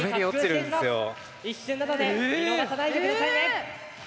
一瞬なので見逃さないで下さいね！